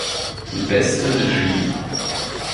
Beste Regie.